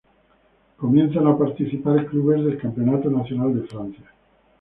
Comienzan a participar clubes del Campeonato Nacional de Francia.